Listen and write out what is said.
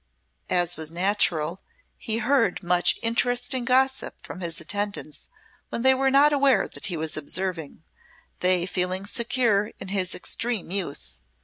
As was natural, he heard much interesting gossip from his attendants when they were not aware that he was observing, they feeling secure in his extreme youth.